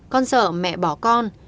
con sợ mẹ bỏ con